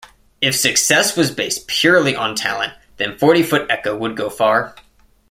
If success was based purely on talent, then Forty Foot Echo would go far.